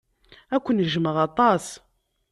Ad ken-jjmeɣ aṭas.